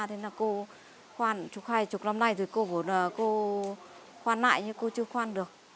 thế là cô khoan chục hai chục năm nay rồi cô khoan lại nhưng cô chưa khoan được